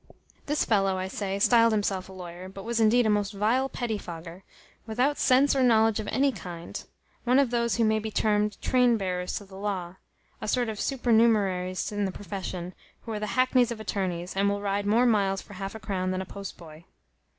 This fellow, I say, stiled himself a lawyer, but was indeed a most vile petty fogger, without sense or knowledge of any kind; one of those who may be termed train bearers to the law; a sort of supernumeraries in the profession, who are the hackneys of attorneys, and will ride more miles for half a crown than a postboy.